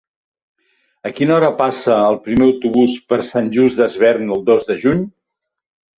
A quina hora passa el primer autobús per Sant Just Desvern el dos de juny?